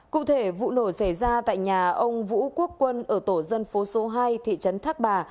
cụ thể vụ nổ xảy ra tại nhà ông vũ quốc quân ở tổ dân phố số hai thị trấn thác bà